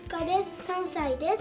３さいです。